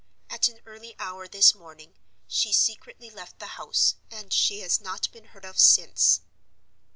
At an early hour this morning she secretly left the house, and she has not been heard of since.